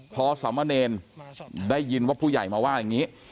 พอสามเณรได้ยินว่าผู้ใหญ่มาว่าอย่างนี้